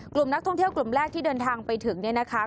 กลุ่มนักท่องเที่ยวกลุ่มแรกที่เดินทางไปถึงเนี่ยนะคะ